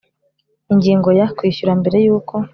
Ingingo ya kwishyura mbere y uko